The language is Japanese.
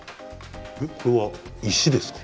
えっこれは石ですか？